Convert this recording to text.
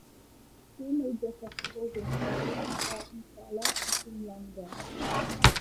Two major festivals in Swaziland are Incwala and Umhlanga.